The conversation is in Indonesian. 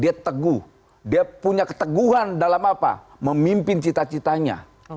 dia teguh dia punya keteguhan dalam apa memimpin cita citanya